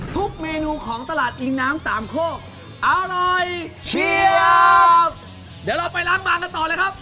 ทุกเมนูของตลาดอิงน้ำสามโคกอร่อยเชียบเดี๋ยวเราไปล้างบางกันต่อเลยครับ